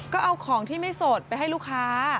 ก็เอาของที่ไม่สดไปให้ลูกค้า